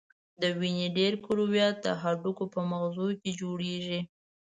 د وینې ډېری کرویات د هډوکو په مغزو کې جوړیږي.